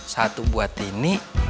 satu buat tini